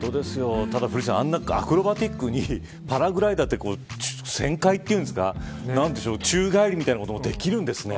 ただ古市さんあんなアクロバティックにパラグライダーって旋回というんですか宙返りみたいなこともできるんですね。